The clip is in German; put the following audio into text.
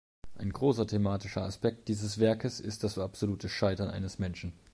Ein großer thematischer Aspekt dieses Werkes ist das absolute Scheitern eines Menschen.